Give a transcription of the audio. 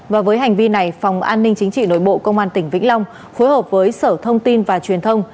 và với hành vi này phòng an ninh chính trị nội bộ công an tỉnh vĩnh long phối hợp với sở thông tin và truyền thông